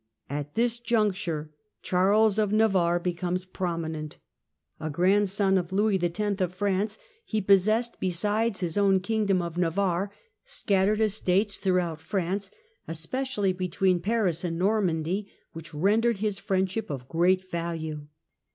At this juncture Charles of Navam Navarre becomes prominent. A grandson of Louis X. FRENCH HISTORY, 1328 1380 139 of France, he possessed, besides his own Kingdom of Navarre, scattered estates throughout France, especi ally between Paris and Normandy, which rendered his friendship of great value.